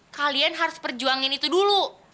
kalian harus perjuangin itu dulu